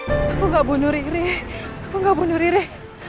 aku gak bunuh riri aku gak bunuh riri